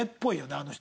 あの人。